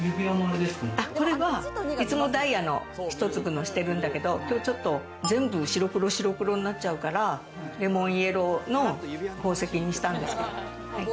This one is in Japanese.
これはいつもダイヤの１粒のをしてるんだけれど、ちょっと全部白黒になっちゃうから、レモンイエローの宝石にしたんですけれども。